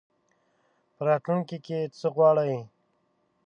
په راتلونکي کي څه غواړې ؟